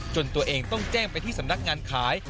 ตัวเองต้องแจ้งไปที่สำนักงานขาย